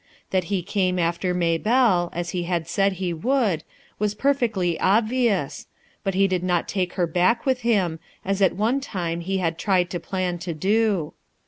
That h came after Maybcllc, as he had said he would, was perfectly obvious, but he did not take her back with him, as at one time he had trial to plan to do.